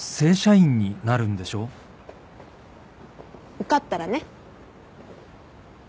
受かったらね。